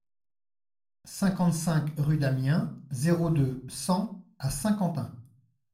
cinquante-cinq rue d'Amiens, zéro deux, cent à Saint-Quentin